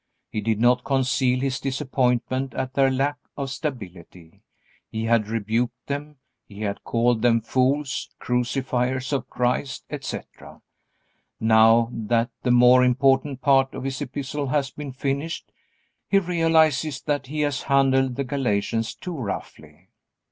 He did not conceal his disappointment at their lack of stability. He had rebuked them. He had called them fools, crucifiers of Christ, etc. Now that the more important part of his Epistle has been finished, he realizes that he has handled the Galatians too roughly.